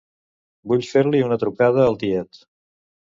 Vull fer-li una trucada al tiet.